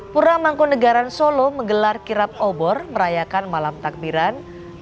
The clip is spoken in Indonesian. pura mangkunegaran solo menggelar kirap obor merayakan malam takbiran